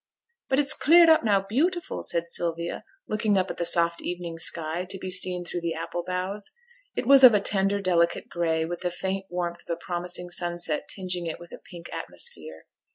'But it's cleared up now beautiful,' said Sylvia, looking up at the soft evening sky, to be seen through the apple boughs. It was of a tender, delicate gray, with the faint warmth of a promising sunset tinging it with a pink atmosphere.